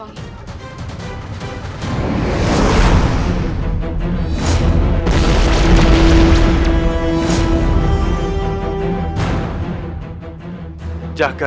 tanganku terasa sangat sakit